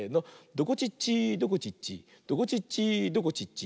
「どこちっちどこちっちどこちっちどこちっち」